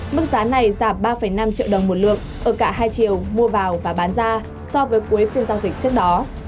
mức giá này giảm ba năm triệu đồng một lượng ở cả hai triệu mua vào và bán ra so với cuối phiên giao dịch trước đó